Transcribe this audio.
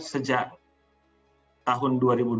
sejak tahun dua ribu dua puluh